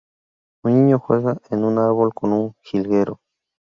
Un niño juega en un árbol con un jilguero.